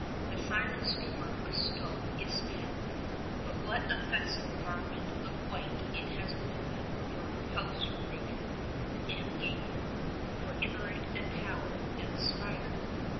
The silent storm of snow is spent; but what a festal garment of white it has woven for house roof and gable, for turret and tower and spire!